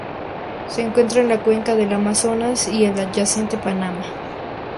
Se encuentra en la cuenca del Amazonas y el adyacente Panamá.